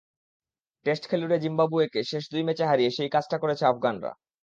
Test খেলুড়ে জিম্বাবুয়েকে শেষ দুই ম্যাচে হারিয়ে সেই কাজটা করেছে আফগানরা।